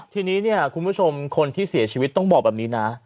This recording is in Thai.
ทีนี้เนี่ยคุณผู้ชมคนที่เสียชีวิตต้องบอกแบบนี้นะ